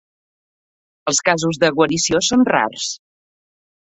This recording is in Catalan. Els casos de guarició són rars.